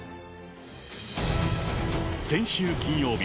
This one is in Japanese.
先週金曜日、